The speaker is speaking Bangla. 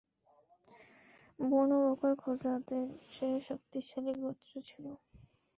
বনু বকর খোজাআদের চেয়ে শক্তিশালী গোত্র ছিল।